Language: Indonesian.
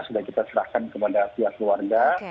sudah kita serahkan kepada pihak keluarga